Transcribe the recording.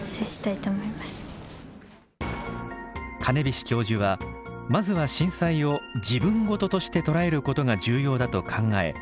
金菱教授はまずは震災を「自分事」として捉えることが重要だと考え